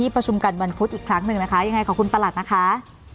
อีกครั้งหนึ่งนะคะยังไงขอบคุณประหลัดนะคะ